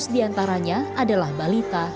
dua ratus di antaranya adalah balita